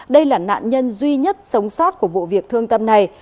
đây là nạn nhân duy nhất sống sót của vụ việc thương tâm này